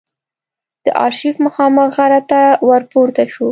د آرشیف مخامخ غره ته ور پورته شوو.